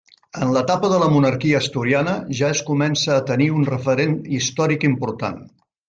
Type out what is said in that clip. En l'etapa de la monarquia Asturiana ja es comença a tenir un referent històric important.